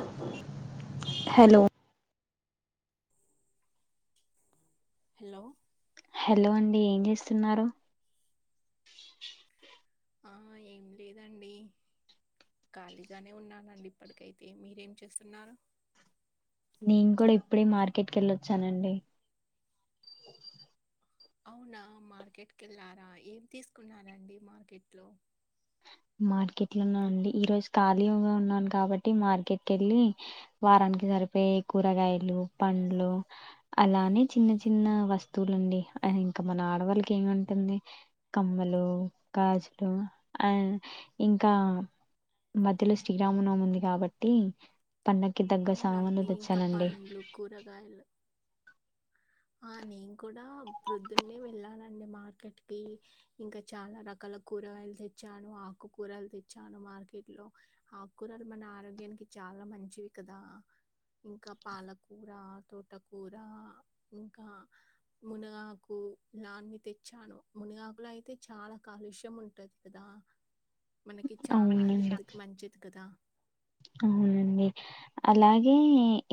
[unintelligible] Hello hello hello అండి ఏం చేస్తున్నారు? ఆ ఏం లేదండి ఖాళీగానే ఉన్నానండి, ఇప్పటికైతే మీరేం చేస్తున్నారు. నేను కూడా ఇప్పుడే మార్కెట్కి వెళ్ళొచ్చానండి. అవునా మార్కెట్కి వెళ్లారా ఏం తీసుకున్నరండి మార్కెట్ లో మార్కెట్ లో అండి ఈ రోజు ఖాళీగా ఉన్నాను. కాబట్టి మార్కెట్కి వెళ్ళి వారానికి సరిపోయే కూరగాయలు, పండ్లు అలానే చిన్న చిన్న వస్తువులుండి ఇంకా మన ఆడవాళ్ళకి ఏమింటుంది కమ్మలు, గాజులు అ ఇంకా మధ్యలో శ్రీరామనవమి ఉంది కాబట్టి. పండక్కి తగ్గ సామాన్లు అవునండి ఇంకా తెచ్చానండి పండ్లు, కూరగాయలు ఆ నేను కూడా ప్రొద్దున్నే వెళ్ళాలండి. మార్కెట్కి ఇంకా చాలా రకాల కూరగాయలు తెచ్చాను. ఆకుకూరలు తెచ్చాను మార్కెట్లో ఆకుకూరలు మన ఆరోగ్యానికి చాలా మంచివి కదా. ఇంకా పాలకూర, తోటకూర ఇంకా మునగాకు ఇలా అన్ని తెచ్చాను. మునగాకులో అయితే చాలా కాలుష్యం ఉంటది కదా. మనకి చాలా అవునండి హెల్త్ కి మంచిది కదా. అవునండి అలాగే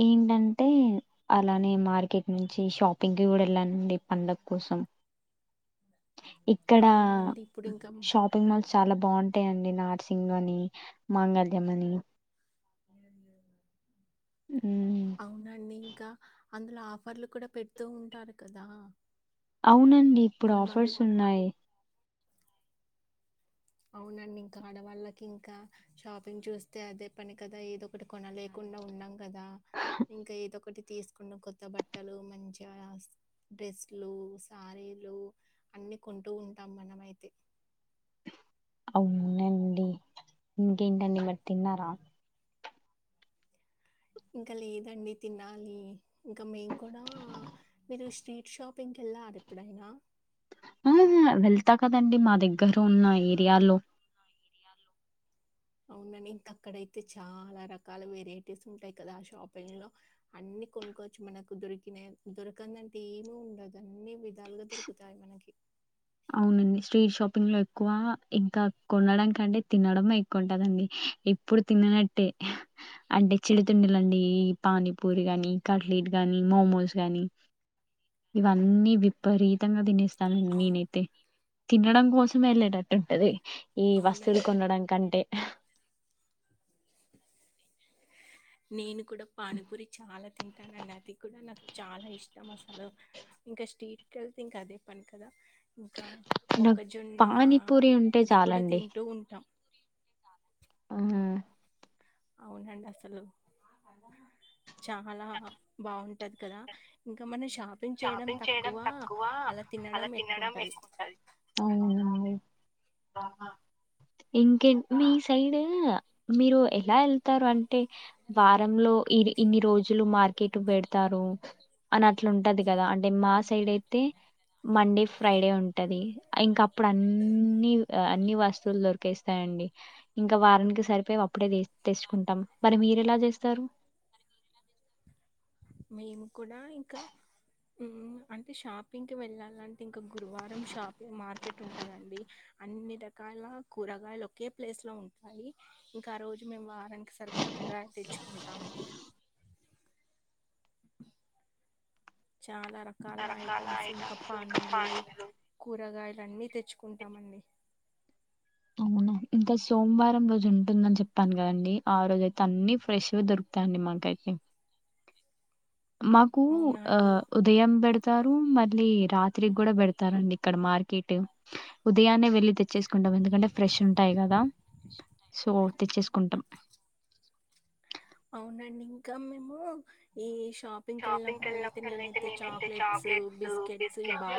ఏంటంటే అలానే మార్కెట్ నుంచి షాపింగ్కి కూడా వెళ్ళానండి పండుగ కోసం. ఇక్కడ అవునా అండి ఇప్పుడు ఇంకా షాపింగ్ మాల్స్ చాలా బాగుంటాయిండి నార్సింగ్ అని, మాంగళ్యం అని హుమ్మ్ హ్మ్. అవునండి ఇంకా అందులో ఆఫర్లు కూడా పెడుతూ ఉంటారు కదా. అవునండి ఇప్పుడు మనం అవి ఆఫర్స్ ఉన్నాయి. అవునండి ఇంకా ఆడవాళ్ళకి ఇంకా షాపింగ్ చూస్తే అదే పని కదా ఏదో ఒకటి కొనలేకుండా ఉండం కదా, ఇంకా ఏదో ఒకటి తీసుకున్న కొత్త బట్టలు మంచిగా డ్రెస్లు, శారీలు అన్నీ కొంటూ ఉంటాం మనమైతే అవునండి ఇంకేంటి అండి మరి తిన్నారా ఇంకా లేదండి. తినాలి ఇంకా మేము కూడా మీరు స్ట్రీట్ షాపింగ్ వెళ్ళారు ఎప్పుడైనా ఆ వెళ్తా కదండి మా దగ్గర ఉన్న ఏరియాలో అవునం ఇంకా అక్కడయితే చాలా రకాల వెరైటీస్ ఉంటాయి కదా, ఆ షాపింగ్ లో అన్ని కొనుక్కవచ్చు. మనకు దొరికినా దొరకందంటే ఏమి ఉండదు అన్ని విధాలుగా దొరుకుతాయి మనకి. అవునండి స్ట్రీట్ షాపింగ్ లో ఎక్కువ ఇంకా కొనడాం కంటే తినడమే ఎక్కువ ఉంటదండి. ఎప్పుడు తన్ననట్టే అంటే చిరు తిండలండి పానీపూరి గాని, కట్లెట్ గానీ, మోమోస్ గానీ ఇవన్నీ విపరీతంగా తినేస్త చ మీన్ అవును. తినడం కోసం వెళ్ళటట్టు ఉంటది. ఈ వస్తువులు అవునండి. కోనడం కంటే నేను కూడా పానీపూరి చాలా తింటాను అండి. అది కూడా నాకు చాలా ఇష్టం, అసలు ఇంకా స్ట్రీట్ క వెళ్తే ఇంకా అదే పని కదా. ఇంకా నాకు మొక్కజొన్న పానీపూరి ఉంటే అది కూడా తింటూ ఉంటాం. అహా అవునండి అసలు చాలా బాగుంటది కదా ఇంకా మన షాపింగ్ చేయడం తక్కువ అలా తినడం ఎక్కువ ఉంటుంది ఇంక మీ సైడ్ మీరు ఎలా వెల్తారు అంత అ వారంలో ఇ ఇన్ని రోజులు మార్ కటు పెడతారు అని అట్లుంటది కదా అంటే మా సైడ్ అయితే మండే ఫ్రైడే ఉంటది ఇంకా అప్పుడు అన్ని అన్ని వస్తువులు దొరికేస్తాయిడి ఇంకా వారానికి సరిపో అప్పుడే కుంటాం మరి మీరు ఎలా చేస్తారు మేము కూడా ఇంకా అంటే షాపింగ్కి వెళ్ళాలంటే ఇంకా గురువారం షాపింగ్ మార్కెట్ ఉంటదండి అన్ని రకాల కూరగాయలు ఒకే ప్లేస్ లో ఉంటాయి ఇంకా ఆ రోజు మేము వారానికి సరి పప్పల కూర తెచ్చుకుంటాము చాలా రకాల ఐటమ్స్ ఇంకా పండ్లు కూరగాయలున్నీ తెచ్చుకుంటామండి అవునా ఇంకా సోమవారం రోజు ఉంటుందని చెప్పాను కదండి ఆ రోజ అయితే అన్ని ఫ్రెష్గా దొరుకుతాయిండి మాకైతే మాకు అవునా ఆ అండి? ఉదయం బేడ్ స్తారు మళ్ళీ రాత్రికి కూడా పెడతారుడి ఇక్కడ మార్కెట్ ఉదయాన్నే వెళ్ళి తెచ్చేసుకుంటాం ఎందుకంటే ఫ్రెష్ ఉంటాయి కదా సో తెచ్చేసుకుంటాం అవునండి ఇంకా మేము ఈ షాపింగ్కి వెళ్ళినప్పుడల్ అయితే నేనైతే చాక్లెట్స్ బిస్కెట్స్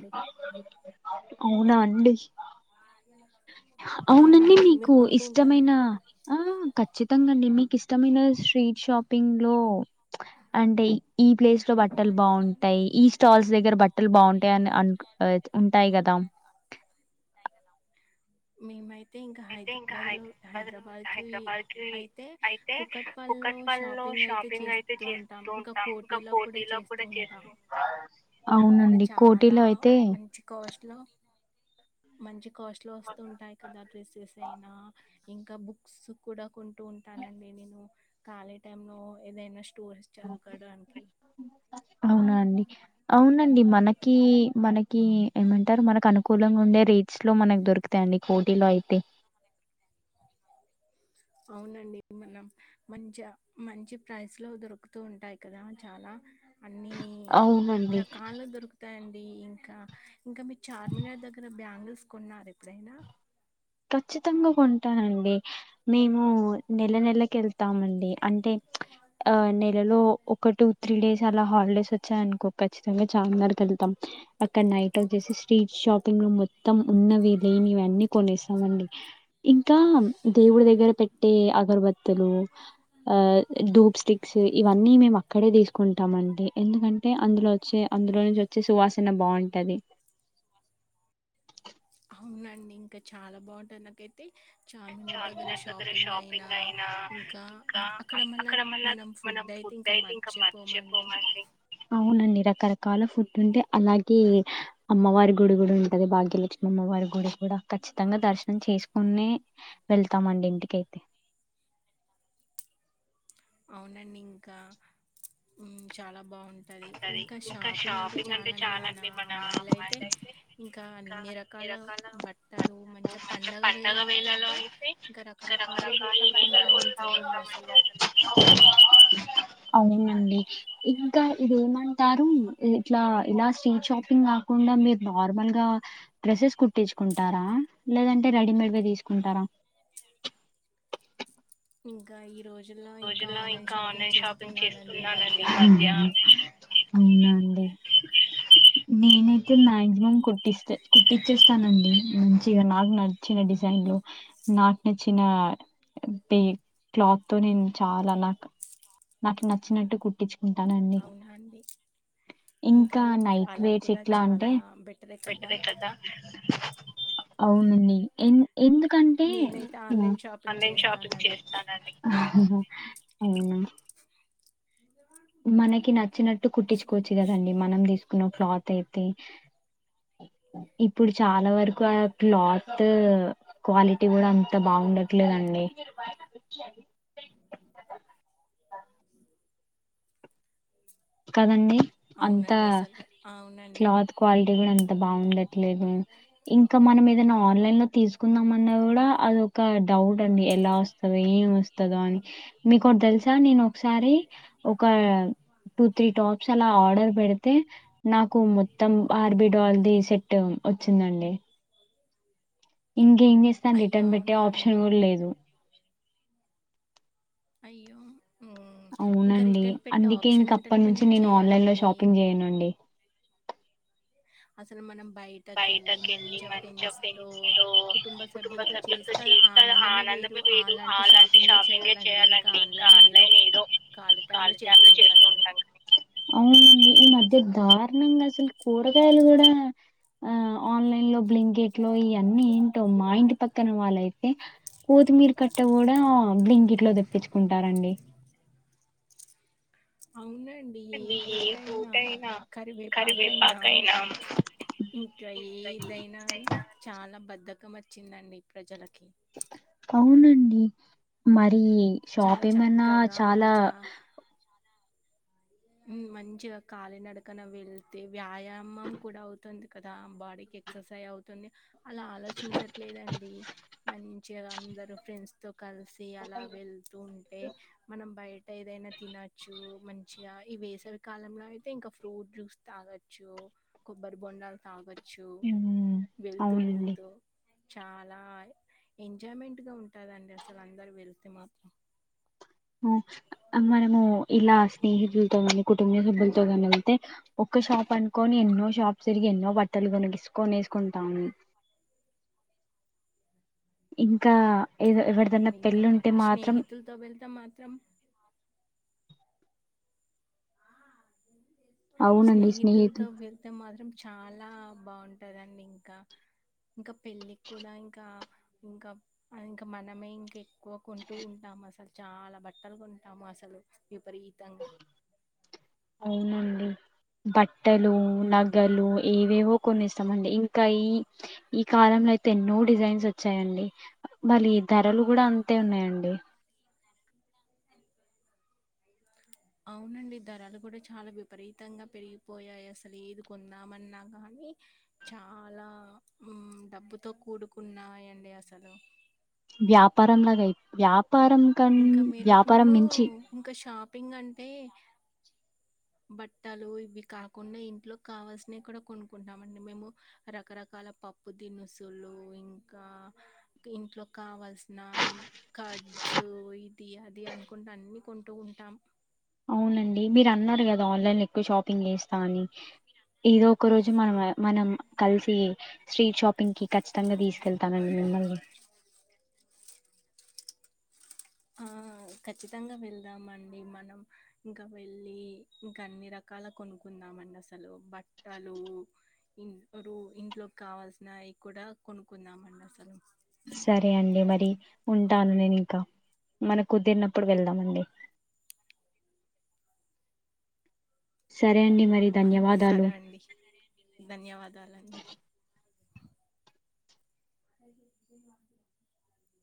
బ అవునా అండి అవునండి మీరు మీకు కొంటూ ఉంటారా ఇష్టమైన ఆ ఖచ్చిత మొత్త అండి మీకు ఇష్టమైన స్ట్రీట్ షాపింగ్ లో అంటే ఈ ప్లేస్ లో బట్టలు బాగుంటాయి ఈ స్టాల్స్ దగ్గర బట్టలు బాగుంటాయి అని అ ఉంటాయి కదా మీ మా అయితే ఇంకా హైదరాబాద్ లో హైదరాబాద్ కి అయితే కుక్కట్ పల్ లో షాపింగ్ అయితే చేస్త చేస్తూ ఉంటాం ఇంకా కోటీలో కూడా చేస్తూ ఉంటాం అక్కడ చాలా మంచి కోస్ట్ లో మంచి కాస్ట్ లో వస్తంటాయి కదా డ్రెస్సెస్ అయినా ఇంకా బుక్స్ కూడా కొ చంటూ ఉంటానండి నేను ఖళీ టిమ్ లో ఇదైనా టూ అవర్స్ చదువుకోవడానికి అవునా అండి. అవునండి మనకి మనకి ఏమంటారు మనకు అనుకూలంగా ఉండే రేట్స్ లో మనకు దొరుకుతాయి అండి కోటీలో అయితే అవునండి మనం మంచి మంచి ప్రైస్ లో దొరుకుతూ ఉంటాయి కదా చాలా అన్నీ అవునండి రకాలు దొరుకుతాయండి ఇంకా ఇంకా మీ చార్మినార్ దగ్గర బ్యాంగిల్స్ కొన్నారు ఎప్పుడైనా ఖచ్చితంగా కొంటానండి మేము నెల నెలకి వెళ్ తామండి అంటే ఆ నెలలో ఒక టూ త్రీ డేస్ అలా హాలిడేస్ వ వచ్చాయి అనుకో ఖచ్చితంగా చార్మినార్ కా వెళ్తాం అక్కడ నైట్ వచ్చేసి స్ట్రీట్ షాపింగ్ లో మొత్తం ఉన్నవి లేనివి అన్నీ కొనేస్తా కొంటాం మండి ఇంకా దేవుడి దగ్గర పెట్టే అగరబతి లు డూప్ స్టిక్స్ ఇవన్నీ మేం అక్కడే తీసుకు కుంటామండి ఎందుకంటే అంటే అందులో వచ్చే అందులో నుంచి వచ్చే సువాసన బాగుంటది అవునండి ఇంకా చాలా బాగుంటది నాకైతే చార్మినార్ దగ్గర షాపింగ్ అయినా ఇంకా అక్కడ మల్ల మనం ఫుడ్ అయితే ఇంకా మర్చిపోము అండి అవునండి రకరకాల ఫుడ్ ఉంటే అలాగే అమ్మవారి గుడి కూడా ఉంటది భాగ్యలక్ష్మి అమ్మవారి గుడి కి కూడా ఖచ్చితంగా దర్శనం చేసుకునే వెళ్తామండి ఇంటికైతే అవునండి ఇంక ఉమ్ చాలా బాగుంటుంది ఇంకా షాపింగ్ అంటే చాలా అండి మన అమ్మాయిల అయితే ఇంకా అన్ని రకాల బట్టలు మంచిగా పండగ వేళలో అయితే ఇంకా రకరకాల బట్టలు కొంటా ఉంటామండి అసలు అవునండి ఇ ఇంకా ఇదేమంటారు ఇట్లా ఇలా స్ట్రీట్ షాపింగ్ మొత్తం కాకుండా మీరు నార్మల్ గా డ్రెస్సెస్ కుట్టించుకుంటారా లేదంటే రెడీ మేడ్ వే తీసుకుంటారా ఇంకా ఈ రోజు రోజుల్లో ఇంకా ఆన్లైన్ షాపింగ్ చేస్తున్నానండి ఈ మధ్య అవునా అండి ఎంటాండి నేనైతే మాక్సిమం కుట్టిస్తే కుట్టించేస్తానండి మంచిగా నాకు నచ్చిన డిజైన్లో నాకు నచ్చిన అంటే క్లాత్ తో నేను చాలా నాకు నాకు నచ్చినట్టు కుట్టిచ్ కుంటానండి అవునా అండి? ఇంకా అలా నైట్ అలా వేర్స్ కూడా ఎట్లా అంటే చాలా బెటరే కదా అవునండి ఎ ఎందుకంటే నేనైతే ఆన్లైన్ షాపింగ్ ఆన్లైన్ షాపింగ్ చేస్తానండి చేస్తానాని మనకి న నచ్చినట్టు కుట్టించుకోవచ్చు కదండి మనం తీసుకున్న క్లాత్ అయితే ఇప్పుడు చాలా వరకు ఆ క్లాతు క్వాలిటీ కూడా అంత బాగుండట్లేదండి. కదండి అంత అవునండి అసలు అవునండి క్లాత్ క్వాలిటీ కూడా, అంత బాగుండ లేదు ఇంకా మనం ఏదైనా ఆన్లైన్ లో తీసుకుందాం అన్నా కూడా అది ఒక డౌట్ అండి ఎలా వస్తది ఏం వస్తది అని మీకు ఒకటి తెలుసా నేను ఒకసారి ఒక త్రీ టాప్స్ అలా ఆర్డర్ పెడితే నాకు మొత్తం బార్బిడల్ ది సెట్ వచ్చిందండి. ఇంకేం చేస్తాను అయ్యో రిటర్న్ పెట్టే అవునా అండి ఆప్షన్ కూడా లేదు. అయ్యో మ్మ్. ఇంకా అవునండి రిటర్న్ పెట్టే అందుకే ఆప్షన్ ఇంక ఉంటేనే అప్పటి నుంచి మనం నేను ఆన్లైన్ లో చేయాలండి షాపింగ్ చేయనండి. అసలు మన బయటక వెళ్ళి మంచి ఫ్రెండ్స్ తో కుటుంబ సభ్యులతో చేస్త ఆనందమే వేరు అలాంటి షాపింగ్ చేయాలండి ఇంకా ఆన్లైన్ ఏదో ఖాళీ టైము లో చేస్తూ ఉంటాం. ఈ మధ్య దారుణంగా అసలు కూరగాయలు కూడా ఆ ఆన్లైన్ లో బ్లింకెట్ లో ఇవన్నీ ఏంటో మా ఇంటి పక్కన వాళ్ళయితే కోత్తిమీర కట్టె కూడా బ్లింకెట్ లో తెప్పించుకుంటారండి. అవును ఏ ఫూట్ అయినా కరివేపాక అయినా ఇంకా ఏదైనా అని చాలా బద్దక మర్చిందండి ప్రజలకు అవునండి మరి అది చాలా షాప్ ఏమన్నా చక్కగా చాలా మంచిగా మంచిగా కాలినడకన వెళ్తే వ్యాయామం కూడా అవుతుంది కదా బాడీకి ఎక్సర్సైజ్ అవుతుంది. అలా ఆలోచించట్లేదండి మంచిగా అందరు ఫ్రెండ్స్ తో కలిసి అలా వెళ్తూ ఉంటే మనం బయట ఏదైనా తినచ్చు. మంచి ఇగ ఈ వేసవి కాలంలో అయితే ఇంకా ఫ్రూట్ జ్యూస్ తాగొచ్చు కొబ్బరి బొండాలు తాగొచ్చు చు ఉమ్ వెళ్తూ అవునండి వెళ్తూ చాలా ఎంజాయ్మెంట్ గా ఉంటదండి. అసలు అందరు వెళ్తే మాత్రం అమ్ మనము ఇలా అ స్నేహితులతో నీ కుటుంబ సభ్యులతో కాని అయితే ఒక్క షాప్ అనుకొని ఎన్నో షాప్ తిరిగి ఎన్నో బట్టలు కొనిగిసుకొని వేసుకుంటాని ఇంకా ఏదో ఎవరిదన్నా అవునండి ఇంకా పెళ్ళి ఉంటే మాత్రం స్నేహితులతో వెళ్తాం మాత్రం అవునండి స్నేహితులతో స్నేహితులు వెళ్తే మాత్రం చాలా బాగుంటదండి ఇంకా ఇంకా పెళ్ళికి కూడా ఇంకా ఇంకా ఇంకా మనమే ఇంకా ఎక్కువ కొంటూ ఉంటాము అసలు చాలా బట్టలు కొంటాము అసలు విపరీతంగా అవునండి బట్టలు నగా గలు ఏవేవో కొన్ని ఇస్తామండి ఇంకా ఈ ఈ కాలంలో అయితే ఎన్నో డిజైన్స్ వచ్చాయండి మరి ధరలు కూడా అంతే ఉన్నాయండి అవునండి ధరలు కూడా చాలా విపరీతంగా పెరిగిపోయాయి అసలు ఏది కొందామన్నా కానీ చాలా డబ్బుతో కూడుకున్నాయండి అసలు వ్యాపారంగాలు వ్యా ఇంకా మీరు మేము ఇంకా షాపింగ్ అంటే బట్టలు ఇవి కాకుండా ఇంట్లో కావల్సినవి కూడా కొనుకుంటామ అండి మేము రకరకాల పప్పు దినుసులు ఇంకా ఇంట్లో కావల్సిన క స్ ఇది అది అనుకుంటా అన్ని కొంటూ ఉంటాం అవునండి మీరు అన్నారు కదా ఆన్లైన్లో ఎక్కువ షాపింగ్ చేస్తా అని ఏదో ఒక రోజు మనం మనం కలిసి స్ట్రీట్ షాపింగ్కి ఖచ్చితంగా తీసుకెళ్తామండి మిమ్మల్ని ఆ ఖచ్చితంగా వెళ్దాం అండి మనం ఇంకా వెళ్ళి ఇంకా అన్ని రకాల కొనుకుందాంండి అసలు బట్టలు ఇంట్లోకి కావాల్సినవి కూడా కొనుక్కుందాంండి అసలు సరే అండి మరి ఉంటాను నేను ఇంకా మన కుదిరినప్పుడు వెళ్దామండి సరే అండి మరి ధన్యవాదాలు సరే అండి ధన్యవాదాలండి అ